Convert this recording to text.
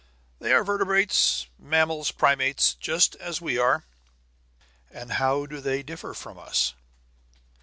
"They are vertebrates, mammals, primates, just as we are." "And how do they differ from us?"